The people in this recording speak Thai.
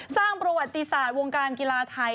สร้างประวัติศาสตร์วงการกีฬาไทย